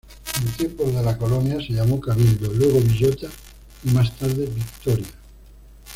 En tiempos de la colonia se llamó Cabildo, luego Villota y más tarde Victoria.